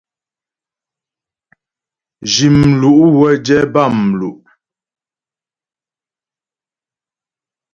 Zhi mlu' wə́ jɛ bâmlu'.